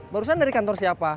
barusan dari kantor siapa